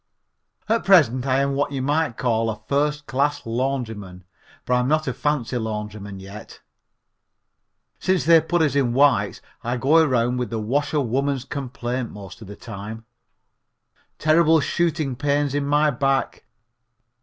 At present I am what you might call a first class laundryman, but I'm not a fancy laundryman yet. Since they've put us in whites I go around with the washer woman's complaint most of the time. Terrible shooting pains in my back!